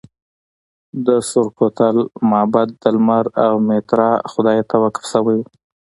د سورخ کوتل معبد د لمر او میترا خدای ته وقف شوی و